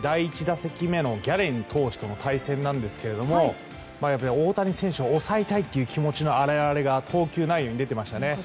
第１打席目のギャレン投手との対戦ですが大谷選手を抑えたいという気持ちの表れが投球内容に出ていましたね。